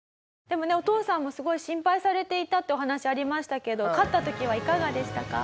でもねお父さんもすごい心配されていたってお話ありましたけど勝った時はいかがでしたか？